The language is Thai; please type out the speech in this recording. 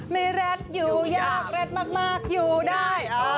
ไม่รักอยู่ยากรักมากอยู่ได้